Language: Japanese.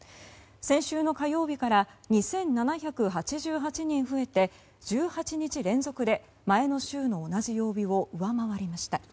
先週の火曜日から２７８８人増えて１８日連続で前の週の同じ曜日を上回りました。